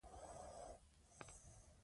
پرنګیان د افغان غازیانو مقاومت مات نه کړ.